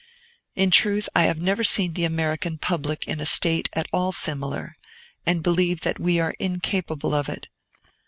In truth, I have never seen the American public in a state at all similar, and believe that we are incapable of it.